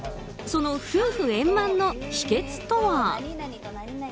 その夫婦円満の秘訣とは？